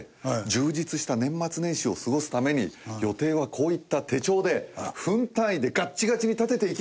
充実した年末年始を過ごすために予定はこういった手帳で分単位でガッチガチに立てていきましょうよ！